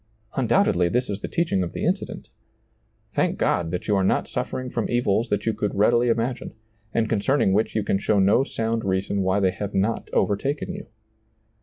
Undoubtedly this is the teaching of the incident Thank God that you are not suffering from evils that you could readily imagine, and concerning which you can show no sound reason why they have not overtaken you.